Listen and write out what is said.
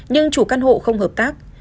nhưng chủ căn hộ không hợp tác